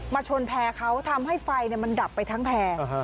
ชนแพร่เขาทำให้ไฟมันดับไปทั้งแพร่